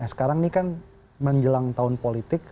sekarang ini kan menjelang tahun politik